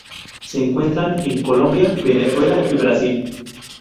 Se encuentran en Colombia, Venezuela y Brasil.